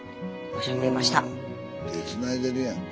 手ぇつないでるやんか。